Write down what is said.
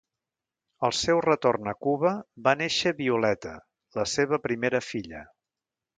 Al seu retorn a Cuba va néixer Violeta, la seva primera filla.